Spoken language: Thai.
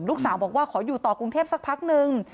ลูกสาวบอกว่าขออยู่ต่อกรุงเทพสักพักนึง